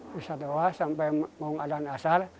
wisata buah sampai mau keadaan asal